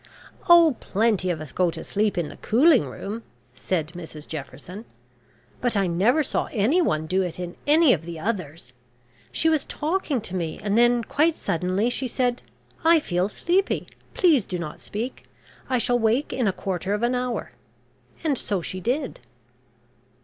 "Oh, plenty of us go to sleep in the cooling room," said Mrs Jefferson, "but I never saw anyone do it in any of the others. She was talking to me, and then quite suddenly she said `I feel sleepy. Please do not speak. I shall wake in a quarter of an hour.' And so she did."